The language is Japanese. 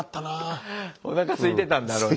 おなかすいてたんだろうね。